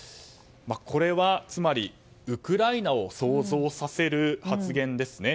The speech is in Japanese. これは、つまりウクライナを想像させる発言ですね。